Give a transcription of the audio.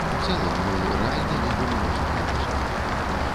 У цэлым, мы рэальна любім розную музыку.